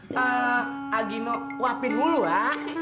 pak gino lapar dulu ya